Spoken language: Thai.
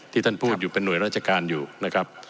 ท่านพูดอยู่เป็นหน่วยราชการอยู่นะครับ